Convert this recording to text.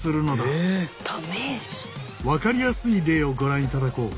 分かりやすい例をご覧いただこう。